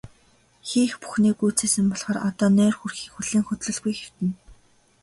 Хийх бүхнээ гүйцээсэн болохоор одоо нойр хүрэхийг хүлээн хөдлөлгүй хэвтэнэ.